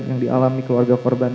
yang dialami keluarga korban